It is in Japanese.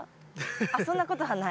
あっそんなことはない？